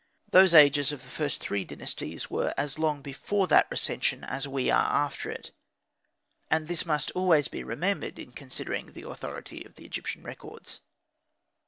Those ages of the first three dynasties were as long before that recension as we are after it; and this must always be remembered in considering the authority of the Egyptian records.